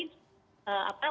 waktu sekali perubahan